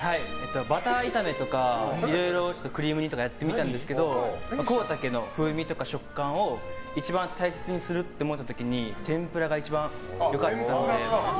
バター炒めとかいろいろクリーム煮とかやってみたんですけどコウタケの風味とか食感を一番大切にするって思った時に天ぷらが一番良かったので。